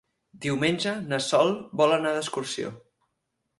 Diumenge na Sol vol anar d'excursió.